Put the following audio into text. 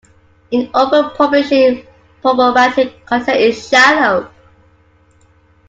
In open publishing problematic content is shallow.